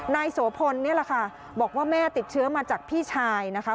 โสพลนี่แหละค่ะบอกว่าแม่ติดเชื้อมาจากพี่ชายนะคะ